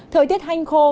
thời tiết hanh khô